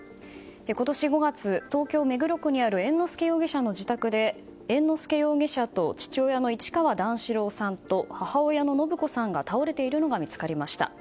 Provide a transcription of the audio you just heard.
今年５月、東京・目黒区にある猿之助容疑者の自宅で猿之助容疑者と父親の市川段四郎さんと母親の延子さんが倒れているのが見つかりました。